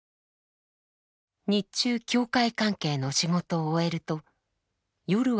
日中教会関係の仕事を終えると夜は外国人の支援。